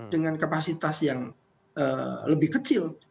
dengan kapasitas yang lebih kecil